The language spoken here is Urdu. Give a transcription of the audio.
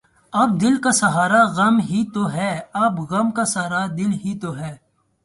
اب دل کا سہارا غم ہی تو ہے اب غم کا سہارا دل ہی تو ہے